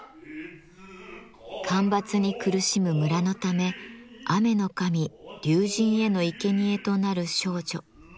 干ばつに苦しむ村のため雨の神竜神へのいけにえとなる少女。